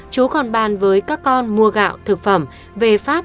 chú còn ban với các con mua gạo thực phẩm về phát